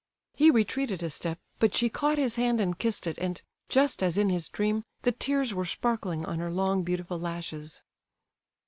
He retreated a step, but she caught his hand and kissed it, and, just as in his dream, the tears were sparkling on her long, beautiful lashes.